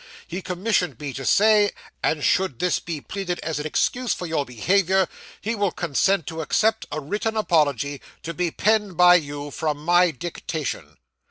He commissioned me to say, that should this be pleaded as an excuse for your behaviour, he will consent to accept a written apology, to be penned by you, from my dictation.